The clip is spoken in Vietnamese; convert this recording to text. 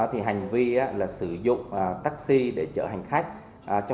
hành vi sử dụng taxi để chở hành khách